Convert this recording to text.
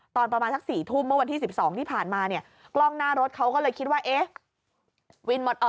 ตอนประมาณสักสี่ทุ่มเมื่อวันที่สิบสองที่ผ่านมาเนี่ยกล้องหน้ารถเขาก็เลยคิดว่าเอ๊ะวินหมดเอ่อ